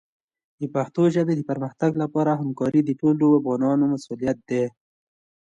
د پښتو ژبې د پرمختګ لپاره همکاري د ټولو افغانانو مسؤلیت دی.